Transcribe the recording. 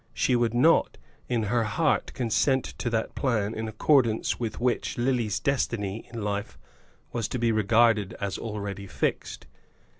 She would not in her heart consent to that plan in accordance with which Lily's destiny in life was to be regarded as already fixed.